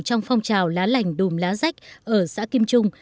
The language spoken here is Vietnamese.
trong phong trào lá lành đùm lá rách ở xã kim trung